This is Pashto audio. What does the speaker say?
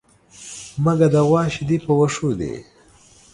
مگر د غوا شيدې په وښو دي.